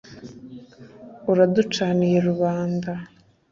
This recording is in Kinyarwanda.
uraducaniye rubanda.